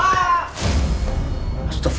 lepas tangu gue